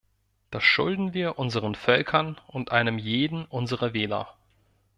Das schulden wir unseren Völkern und einem jeden unserer Wähler.